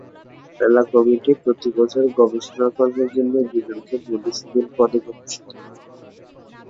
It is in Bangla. মেলা কমিটি প্রতিবছর গবেষণা কর্মের জন্য দুজনকে মধুসূদন পদকে ভূষিত করে।